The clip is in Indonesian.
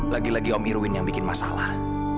lagi lagi om irwin yang bikin masalah